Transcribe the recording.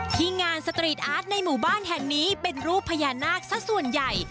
ที่งานสตรีทอาร์ตในหมู่บ้านแห่งนี้เป็นรูปพญานาคสักส่วนใหญ่